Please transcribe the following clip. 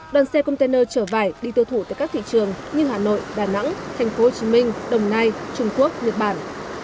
đoàn xe container chở vải đi tiêu thụ tại các thị trường như hà nội đà nẵng thành phố hồ chí minh đồng nai trung quốc nhật bản